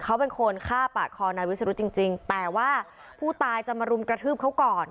เขาเป็นคนฆ่าปาดคอนายวิสรุธจริงแต่ว่าผู้ตายจะมารุมกระทืบเขาก่อน